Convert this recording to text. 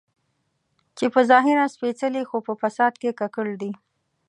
چې په ظاهره سپېڅلي خو په فساد کې ککړ دي.